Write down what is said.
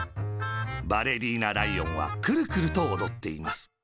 バレリーナライオンは、くるくるとおどっています。